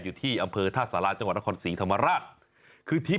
อยู่ที่อำเภอถ้าศาลาจังหวัดนครศรีธรรมรัช